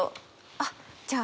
「あっじゃあ」